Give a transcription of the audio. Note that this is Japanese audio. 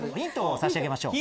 差し上げましょう。